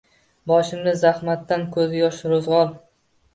Boshimda zahmatdan ko‘zi yosh ro‘zg‘or